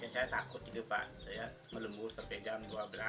saya takut juga pak saya melemur sampai jam dua belas sebelas